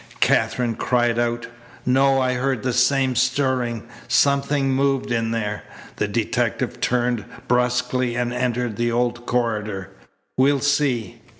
Katherine cried out: "No. I heard that same stirring. Something moved in there." The detective turned brusquely and entered the old corridor. "We'll see."